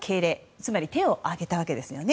つまり、手を挙げたわけですね。